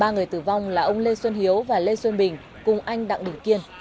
ba người tử vong là ông lê xuân hiếu và lê xuân bình cùng anh đặng đình kiên